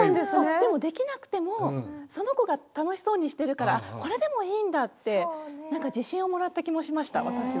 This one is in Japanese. でもできなくてもその子が楽しそうにしてるからあっこれでもいいんだって何か自信をもらった気もしました私は。